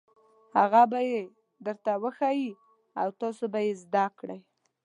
هغه به یې درته وښيي او تاسو به یې زده کړئ.